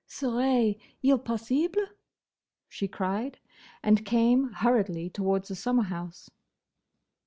"Serait il possible?"—she cried, and came hurriedly towards the summer house.